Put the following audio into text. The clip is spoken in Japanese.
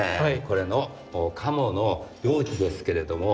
これの鴨の容器ですけれども。